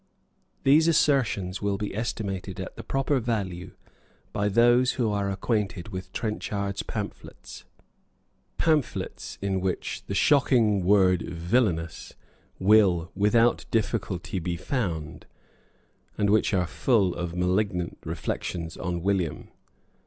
These assertions will be estimated at the proper value by those who are acquainted with Trenchard's pamphlets, pamphlets in which the shocking word villainous will without difficulty be found, and which are full of malignant reflections on William.